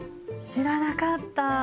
知らなかった。